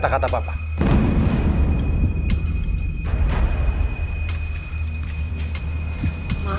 gak ada apa apa jangan